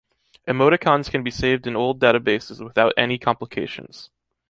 Emoticons can be saved in old data bases without any complications.